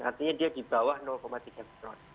artinya dia di bawah tiga mikron